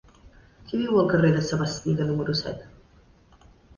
Qui viu al carrer de Sabastida número set?